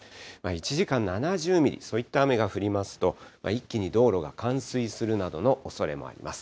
１時間７０ミリ、そういった雨が降りますと、一気に道路が冠水するなどのおそれもあります。